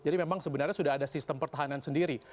jadi memang sebenarnya sudah ada sistem pertahanan sendiri